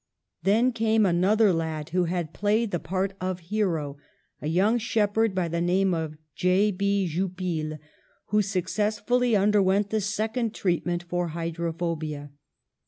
Then came another lad, who had played the part of hero, a young shepherd by the name of J. B. Jupille, who successfully underwent the second treatment for hydrophobia.